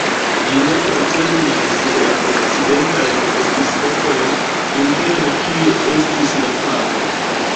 Ĝi ne koncernis la okcidentajn episkopojn, inter kiuj estis la papo.